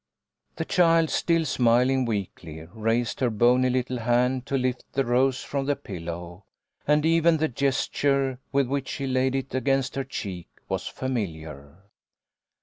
The child, still smiling, weakly raised her bony little hand to lift the rose from the pillow, and even the gesture with which she laid it against her cheek was familiar.